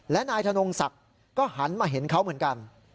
และนายธนงศักดิ์ก็หันมาเห็นเขาเหมือนกัน